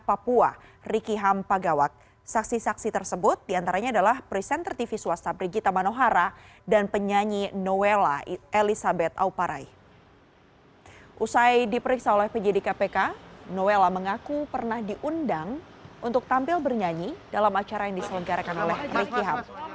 pekka noella mengaku pernah diundang untuk tampil bernyanyi dalam acara yang diselenggarakan oleh rikiham